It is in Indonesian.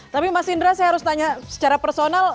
tapi mas indra saya harus tanya secara personal